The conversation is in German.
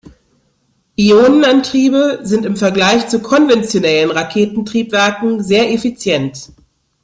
Ionenantriebe sind im Vergleich zu konventionellen Raketentriebwerken sehr effizient.